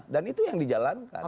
dan itu yang dijalankan